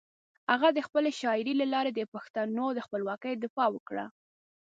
هغه د خپلې شاعري له لارې د پښتنو د خپلواکۍ دفاع وکړه.